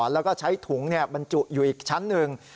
แล้วก็ใช้ถุงบรรจุอยู่อีกชั้นหนึ่ง